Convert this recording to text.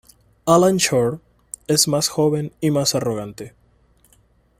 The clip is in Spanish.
Alan Shore es más joven y más arrogante.